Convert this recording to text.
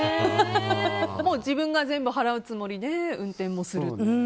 自分が全部払うつもりで運転もする。